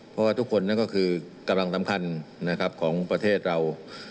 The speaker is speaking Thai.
เพราะทุกคนนั้นก็คือกำลังตำคันของประเทศเรา